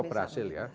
kalau berhasil ya